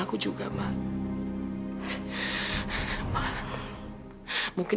aku mau pergi